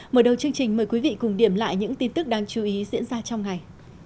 mở đầu chương trình mời quý vị cùng điểm lại những tin tức đáng chú ý diễn ra trong ngày